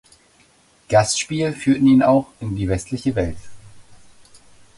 Gastspiel führten ihn auch in die westliche Welt.